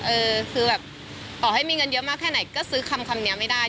เออคือแบบต่อให้มีเงินเยอะมากแค่ไหนก็ซื้อคำนี้ไม่ได้